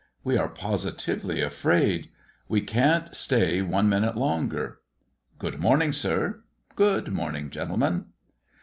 We are positively afraid. We cant stay one minute longer. "Good morning, sir." "Good morning, gentlemen."